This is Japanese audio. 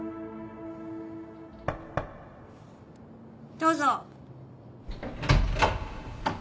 どうぞ。